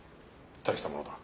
大したものだ。